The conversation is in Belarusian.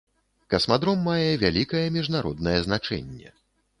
Касмадром мае вялікае міжнароднае значэнне.